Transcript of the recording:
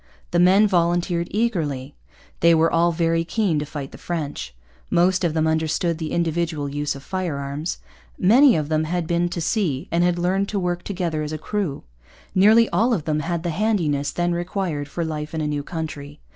The men volunteered eagerly. They were all very keen to fight the French. Most of them understood the individual use of firearms. Many of them had been to sea and had learned to work together as a crew. Nearly all of them had the handiness then required for life in a new country.